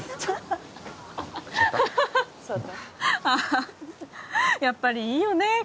ああやっぱりいいよね